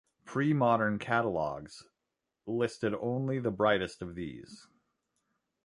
Pre-modern catalogues listed only the brightest of these.